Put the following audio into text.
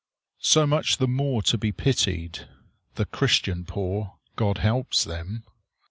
So much the more to be pitied. The Christian poor God helps them!